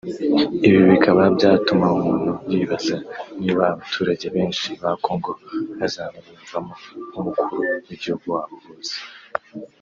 Ibi bikaba byatuma umuntu yibaza niba abaturage benshi ba Congo bazamwiyumvamo nk’umukuru w’igihugu wabo bose